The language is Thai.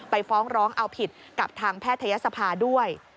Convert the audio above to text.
ฟ้องร้องเอาผิดกับทางแพทยศภาด้วย